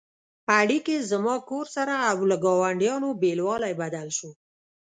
اړیکې «زما کور» سره او له ګاونډیانو بېلوالی بدل شو.